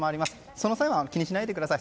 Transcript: その際は気にしないでください。